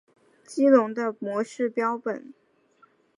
激龙的模式标本。